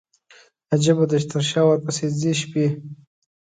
عجيبه ده، چې تر شا ورپسي ځي شپي